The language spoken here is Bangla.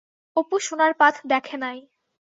অপু সোনার পাত দেখে নাই।